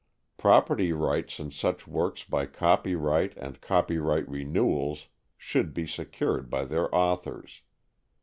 Property rights in such works by copyright and copyright renewals should be secured by their authors.